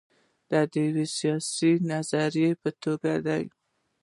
دا د یوې سیاسي نظریې په توګه ده.